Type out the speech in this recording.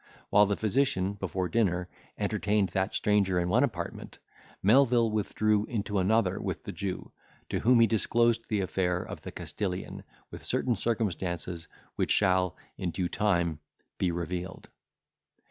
While the physician, before dinner, entertained that stranger in one apartment, Melvil withdrew into another, with the Jew, to whom he disclosed the affair of the Castilian, with certain circumstances, which shall, in due time, be revealed.